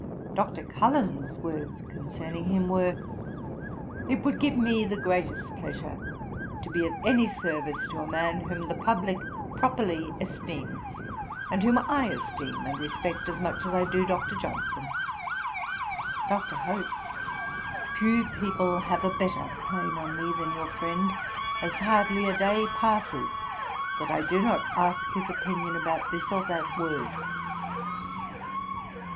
Dr. Cullen's words concerning him were, 'It would give me the greatest pleasure to be of any service to a man whom the publick properly esteem, and whom I esteem and respect as much as I do Dr. Johnson.' Dr. Hope's, 'Few people have a better claim on me than your friend, as hardly a day passes that I do not ask his opinion about this or that word.'